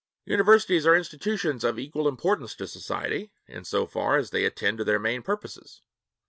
Universities are institutions of equal importance to society, in so far as they attend to their main purposes.